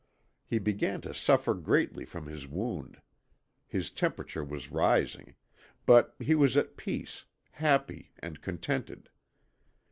He began to suffer greatly from his wound; his temperature was rising, but he was at peace, happy and contented.